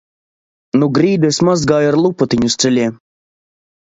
Nu grīdu es mazgāju ar lupatiņu uz ceļiem.